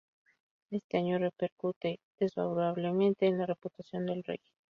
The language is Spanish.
Este hecho repercute desfavorablemente en la reputación del Rey.